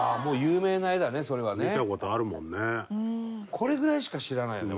これぐらいしか知らないよね